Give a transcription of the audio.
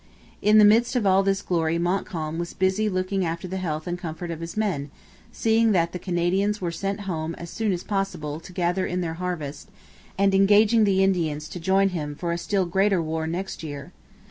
In the midst of all this glory Montcalm was busy looking after the health and comfort of his men, seeing that the Canadians were sent home as soon as possible to gather in their harvest, and engaging the Indians to join him for a still greater war next year.